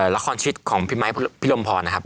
ละครชีวิตของพี่ไมค์พี่ลมพรนะครับ